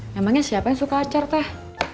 memangnya siapa yang suka acer teh